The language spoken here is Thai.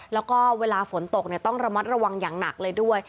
แล้วก็เวลาฝนตกต้องระมัดระวังอย่างหนักเลยด้วย